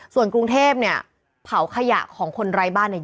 ส่วนกรุงเทพเนี่ยเผาขยะของคนไร้บ้านเนี่ย